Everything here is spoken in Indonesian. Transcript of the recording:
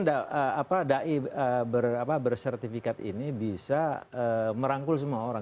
tidak mungkin da'i bersertifikat ini bisa merangkul semua orang